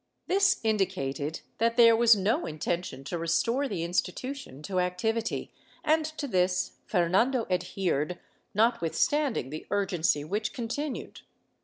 ^ This indicated that there was no intention to restore the institution to activity, and to this Fernando adhered, notwithstanding the urgency which continued.